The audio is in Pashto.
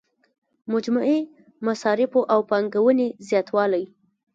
مجموعي مصارفو او پانګونې زیاتوالی.